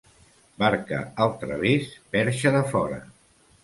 Barca al través, perxa de fora.